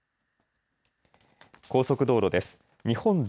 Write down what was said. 高速道路です。